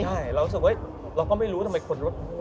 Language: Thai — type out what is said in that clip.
ใช่เรารู้สึกว่าเราก็ไม่รู้ทำไมคนรถล้อยลงล้อยลงล้อยลง